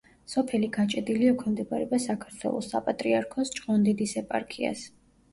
სოფელი გაჭედილი ექვემდებარება საქართველოს საპატრიარქოს ჭყონდიდის ეპარქიას.